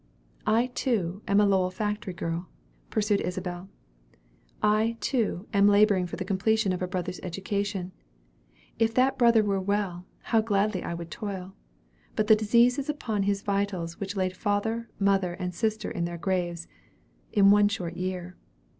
"I, too, am a Lowell factory girl," pursued Isabel. "I, too, am laboring for the completion of a brother's education. If that brother were well, how gladly would I toil! But that disease is upon his vitals which laid father, mother, and sister in their graves, in one short year.